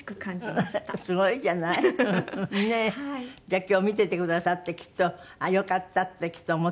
じゃあ今日見ててくださってきっとああよかったってきっと思ってるわね。